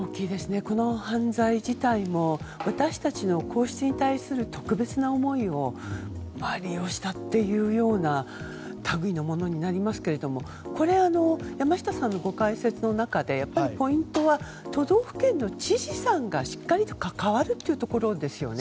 この犯罪自体も私たちの皇室に対する特別な思いを利用したというような類のものになりますけど山下さんのご解説の中でポイントは都道府県の知事さんがしっかりと関わるということですよね。